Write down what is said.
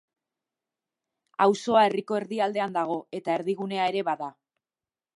Auzoa herriko erdialdean dago eta erdigunea ere bada.